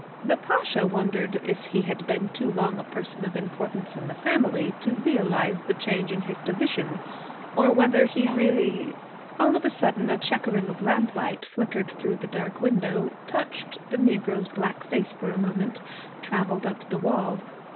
The Pasha wondered if he had been too long a person of importance in the family to realize the change in his position, or whether he really All of a sudden a checkering of lamplight flickered through the dark window, touched the negro's black face for a moment, traveled up the wall.